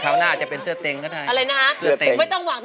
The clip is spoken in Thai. กว่าจะจบรายการเนี่ย๔ทุ่มมาก